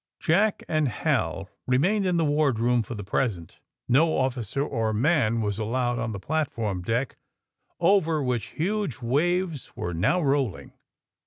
Jack and Hal remained in the wardroom for the present. No officer or man was allowed on AJSTD THE SMUGGLERS 115 the platform deck, over which huge waves were now rolling.